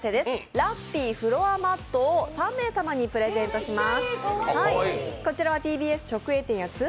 ラッピーフロアマットを３名様にプレゼントします。